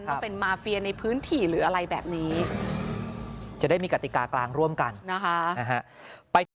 ต้องเป็นมาเฟียในพื้นที่หรืออะไรแบบนี้จะได้มีกติกากลางร่วมกันนะคะ